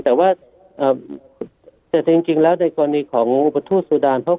แต่ว่าแต่จริงแล้วในกรณีของอุปทูตสุดาน